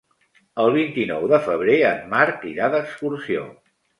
El vint-i-nou de febrer en Marc irà d'excursió.